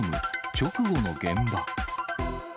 直後の現場。